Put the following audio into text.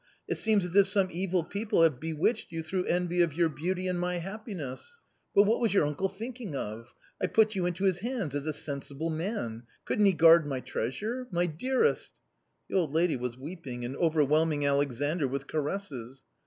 It seems as if some evil people have bewitched you through envy of your beauty and my happiness ! But what was your uncle thinking of? I put you into his hands, as a sensible man ! Couldn't he guard my treasure ? My dearest !" The old lady was weeping and overwhelming Alexandr with caresses.